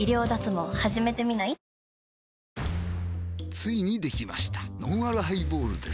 ついにできましたのんあるハイボールです